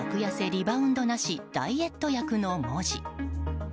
リバウンドなしダイエット薬の文字。